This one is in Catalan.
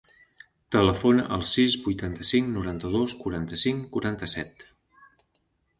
Telefona al sis, vuitanta-cinc, noranta-dos, quaranta-cinc, quaranta-set.